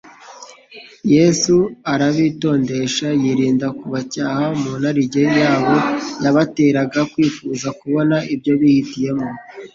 Yesu arabitondesha yirinda kubacyaha mu narijye yabo yabateraga kwifuza kubona ibyo bihitiyemo.